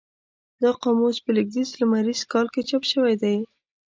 دا قاموس په لېږدیز لمریز کال کې چاپ شوی دی.